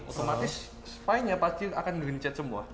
otomatis spine nya pasti akan dirincet semua